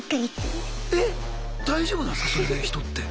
えっ大丈夫なんすかそれで人って。